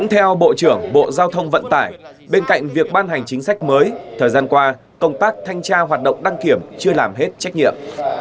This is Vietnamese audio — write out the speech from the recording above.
theo bộ trưởng bộ giao thông vận tải bên cạnh việc ban hành chính sách mới thời gian qua công tác thanh tra hoạt động đăng kiểm chưa làm hết trách nhiệm